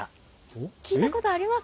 えっ⁉聞いたことありますね。